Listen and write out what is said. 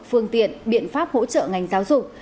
phương tiện biện pháp hỗ trợ ngành giáo dục